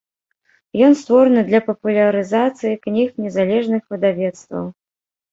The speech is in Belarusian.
Ён створаны для папулярызацыі кніг незалежных выдавецтваў.